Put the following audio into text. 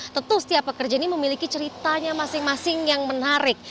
tentu setiap pekerja ini memiliki ceritanya masing masing yang menarik